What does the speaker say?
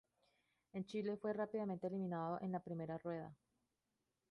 En Chile fue rápidamente eliminado en la primera rueda.